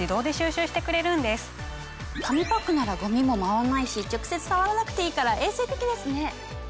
紙パックならゴミも舞わないし直接触らなくていいから衛生的ですね。